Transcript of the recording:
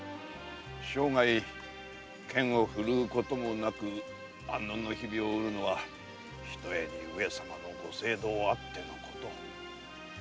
生涯剣を振るうこともなく安穏の日々を得るのはひとえに上様のご政道あってのこと。